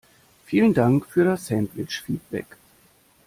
Vielen Dank für das Sandwich-Feedback!